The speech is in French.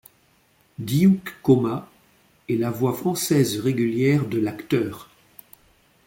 Diouc Koma est la voix française régulière de l'acteur.